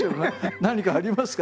何かありますか？